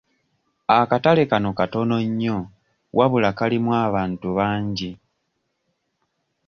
Akatale kano katono nnyo wabula kalimu abantu bangi.